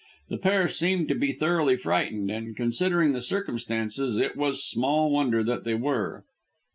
The pair seemed to be thoroughly frightened, and, considering the circumstances, it was small wonder that they were.